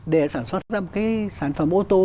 để sản xuất ra một cái sản phẩm ô tô